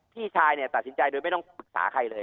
พี่ชายเนี่ยตัดสินใจโดยไม่ต้องปรึกษาใครเลย